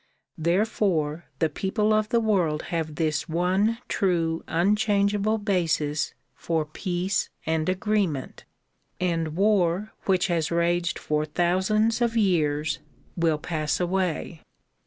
Therefore the people of the world have this one true unchangeable basis for peace and agreement, and war which has raged for thousands of years will pass away.